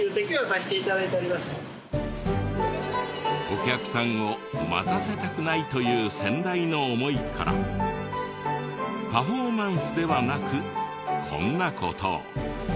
お客さんを待たせたくないという先代の思いからパフォーマンスではなくこんな事を。